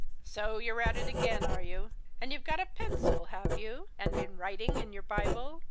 "'So you're at it again, are you? And you've got a pencil, have you? and been writing in your Bible?